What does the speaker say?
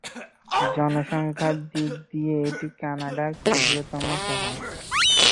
জনসংখ্যার দিক দিয়ে এটি কানাডার ক্ষুদ্রতম শহর।